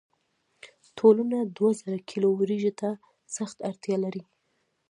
ټولنه دوه زره کیلو وریجو ته سخته اړتیا لري.